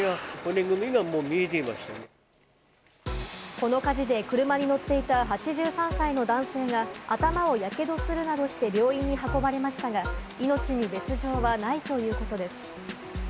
この火事で車に乗っていた８３歳の男性が頭をやけどするなどして病院に運ばれましたが、命に別条はないということです。